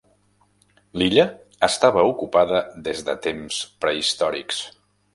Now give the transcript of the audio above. L'illa estava ocupada des de temps prehistòrics.